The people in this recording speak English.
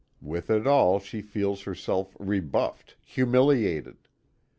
With it all, she feels herself rebuffed, humiliated.